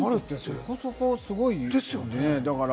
そこそこすごいよね。